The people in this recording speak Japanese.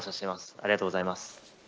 ありがとうございます。